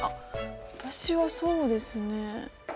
私はそうですね